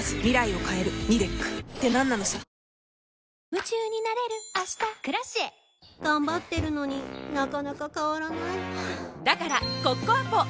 夢中になれる明日「Ｋｒａｃｉｅ」頑張ってるのになかなか変わらないはぁだからコッコアポ！